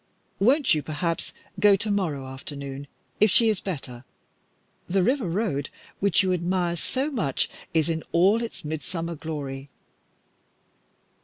"Won't you, perhaps, go to morrow afternoon, if she is better? The river road which you admire so much is in all its midsummer glory."